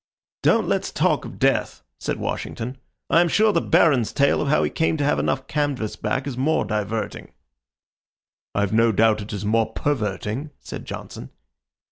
"Don't let's talk of death," said Washington. "I am sure the Baron's tale of how he came to have enough canvas back is more diverting." "I've no doubt it is more perverting," said Johnson.